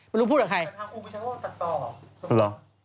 ไม่รู้พูดกับใคร